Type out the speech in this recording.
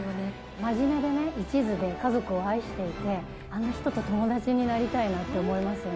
真面目でいちずで、家族を愛していて、あんな人と友達になりたいなって思いますよね。